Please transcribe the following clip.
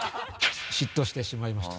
嫉妬してしまいました。